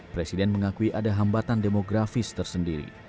presiden mengakui ada hambatan demokrasi